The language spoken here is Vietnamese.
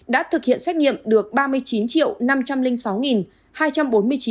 đã thực hiện xét nghiệm được